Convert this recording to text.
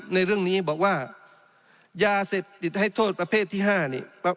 ในเรื่องนี้บอกว่ายาเสพติดให้โทษประเภทที่๕นี่